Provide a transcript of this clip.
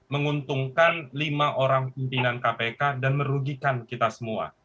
menguntungkan lima orang pimpinan kpk dan merugikan kita semua